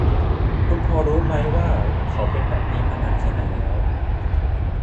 คุณพอจะรู้มั้ยว่าเขาเป็นแบบนี้มานานแค่ไหนแล้ว ?